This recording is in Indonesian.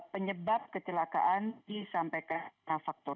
penyebab kecelakaan disampaikan faktor